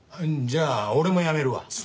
じゃあ俺も辞めるわ。